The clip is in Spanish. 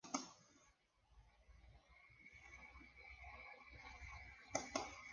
Las tres obras continúan presentándose en diversos países, con gran respaldo del público.